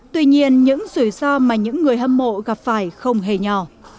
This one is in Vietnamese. tuy nhiên những sửa sao mà những người hâm mộ gặp phải không hề nhỏ